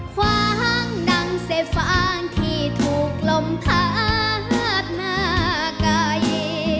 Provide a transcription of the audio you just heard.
คว้างดังเสฟอ้างที่ถูกกลมพาดมาไกล